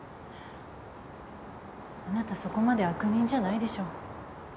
あなたそこまで悪人じゃないでしょ？